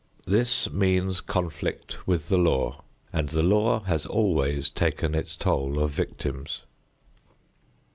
This means conflict with the law, and the law has always taken its toll of victims.